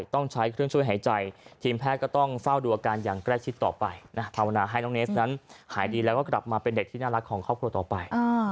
ต้องใช้เครื่องช่วยหายใจทีมแพทย์ก็ต้องเฝ้าดูอาการอย่างใกล้ชิดต่อไปนะภาวนาให้น้องเนสนั้นหายดีแล้วก็กลับมาเป็นเด็กที่น่ารักของครอบครัวต่อไป